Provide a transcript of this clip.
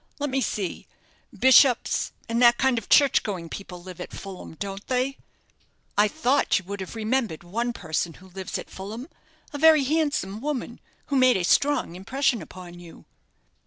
Let me see, bishops, and that kind of church going people live at Fulham, don't they?" "I thought you would have remembered one person who lives at Fulham a very handsome woman, who made a strong impression upon you."